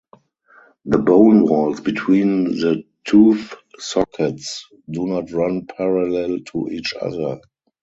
The bone walls between the tooth sockets do not run parallel to each other.